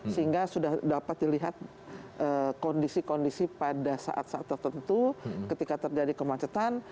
sehingga sudah dapat dilihat kondisi kondisi pada saat saat tertentu ketika terjadi kemacetan